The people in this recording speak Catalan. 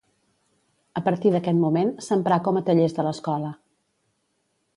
A partir d'aquest moment s'emprà com a tallers de l'escola.